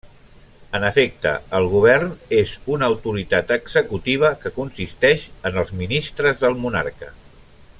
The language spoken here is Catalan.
En efecte, el govern és una autoritat executiva que consisteix en els ministres del monarca.